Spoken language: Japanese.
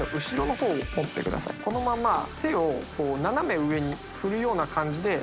海里泙手を斜め上に振るような感じで森川）